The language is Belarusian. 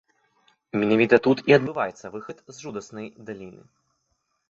Менавіта тут і адбываецца выхад з жудаснай даліны.